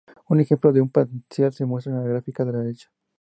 Un ejemplo de un potencial se muestra en la gráfica de la derecha.